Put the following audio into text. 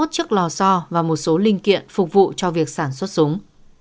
một trăm tám mươi một chiếc lò so và một số linh kiện phục vụ cho việc sản xuất súng